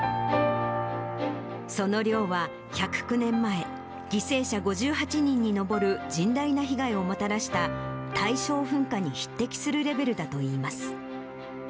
その量は、１０９年前、犠牲者５８人に上る甚大な被害をもたらした、大正噴火に匹敵するレベルだといいます。